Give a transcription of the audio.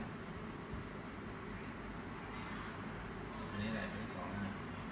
อ๋อถ้าเจอกับซอยเนี่ย